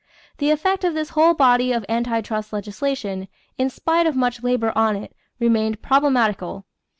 The effect of this whole body of anti trust legislation, in spite of much labor on it, remained problematical.